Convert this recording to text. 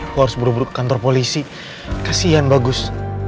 aku harus buruk buruk kantor polisi kasian bagus